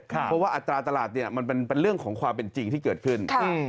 เพราะว่าอัตราตลาดเนี่ยมันเป็นเรื่องของความเป็นจริงที่เกิดขึ้น